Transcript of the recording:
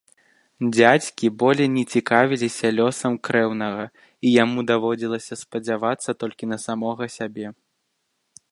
Дзядзькі болей не цікавіліся лёсам крэўнага, і яму даводзілася спадзявацца толькі на самога сябе.